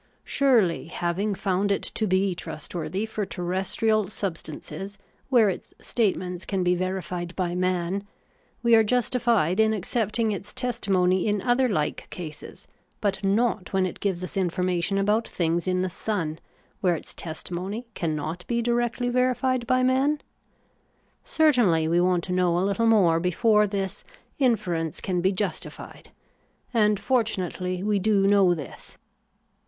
Surely, having found it to be trustworthy for terrestrial substances, where its statements can be verified by man, we are justified in accepting its testimony in other hke cases ; but not when it gives us information about things in the sun, where its testimony cannot be directly verified by man ? Certainly, we want to know a little more before this inference can be justified ; and fortunately we do know this.